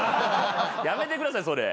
やめてくださいそれ。